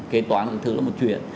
kế toán là một chuyện